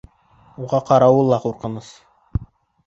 Уға ҡарауы ла ҡурҡыныс.